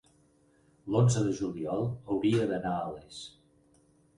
l'onze de juliol hauria d'anar a Les.